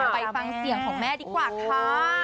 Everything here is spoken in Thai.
ไปฟังเสียงของแม่ดีกว่าค่ะ